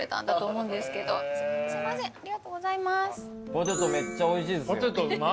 ポテトめっちゃおいしいですよ。